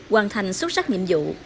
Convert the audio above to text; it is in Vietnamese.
hoàn thành xuất sắc nhiệm vụ